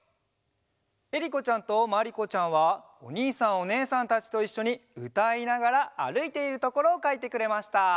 えりこちゃんとまりこちゃんはおにいさんおねえさんたちといっしょにうたいながらあるいているところをかいてくれました。